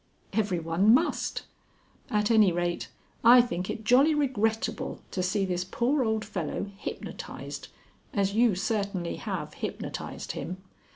"Everyone must. At any rate, I think it jolly regrettable to see this poor old fellow hypnotized, as you certainly have hypnotized him.